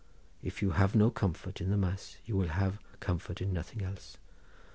If you have no comfort in the mass, you will have comfort in nothing else.